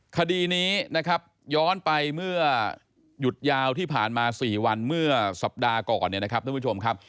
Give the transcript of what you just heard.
คดีนี้นะครับย้อนไปเมื่อหยุดยาวที่ผ่านมา๔วันเมื่อสัปดาห์ก่อนเนี่ยนะครับท่านผู้ชมครับ